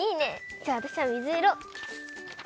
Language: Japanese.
じゃあわたしはみずいろ。